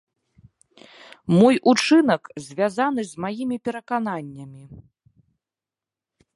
Мой учынак звязаны з маімі перакананнямі.